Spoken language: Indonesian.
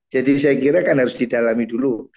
jadi saya kira kan harus didalami dulu